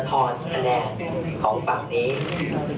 คะแนนของฝั่งนี้